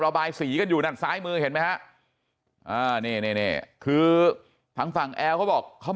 ระบายสีกันอยู่นั่นซ้ายมือเห็นไหมคือทางแอลเขาบอกเขา